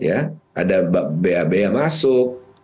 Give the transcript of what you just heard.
ada bab yang masuk